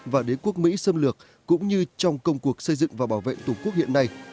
và đế quốc mỹ xâm lược cũng như trong công cuộc xây dựng và bảo vệ tổ quốc hiện nay